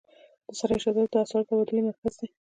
د سرای شهزاده د اسعارو تبادلې مرکز دی